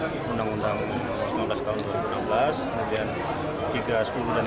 jadi kita sedang melakukan penyelidikan